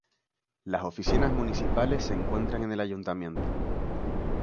Las oficinas municipales se encuentran en el ayuntamiento.